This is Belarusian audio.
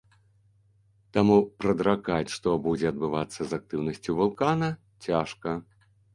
Таму прадракаць, што будзе адбывацца з актыўнасцю вулкана, цяжка.